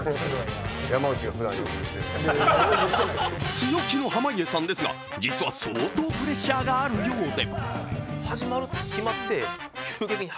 強気の濱家さんですが実は相当のプレッシャーがあるようで。